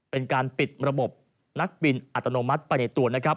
เป็นการปิดระบบนักบินอัตโนมัติไปในตัวนะครับ